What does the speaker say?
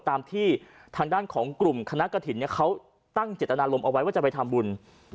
ตามที่ทางด้านของกลุ่มคณะกระถิ่นเขาตั้งเจตนารมณ์เอาไว้ว่าจะไปทำบุญ